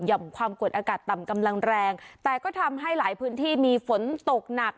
ความกดอากาศต่ำกำลังแรงแต่ก็ทำให้หลายพื้นที่มีฝนตกหนัก